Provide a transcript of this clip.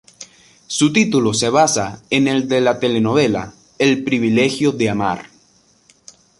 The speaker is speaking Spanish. Su título se basa en el de la telenovela "El privilegio de amar".